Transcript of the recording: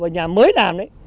nhà mới làm đấy